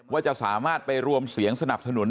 ว่าจะสามารถไปรวมเสียงสนับสนุน